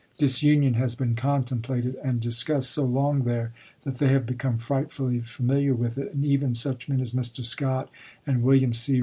Disunion has been contemplated and dis cussed so long there that they have become frightfully familiar with it, and even such men as Mr. Scott and William C.